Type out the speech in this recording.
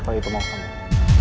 kalau gitu maafkan gue